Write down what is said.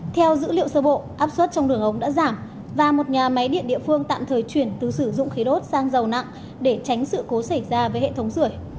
theo dữ liệu sơ bộ áp suất trong đường ống đã giảm và một nhà máy điện địa phương tạm thời chuyển từ sử dụng khí đốt sang dầu nặng để tránh sự cố xảy ra với hệ thống sửa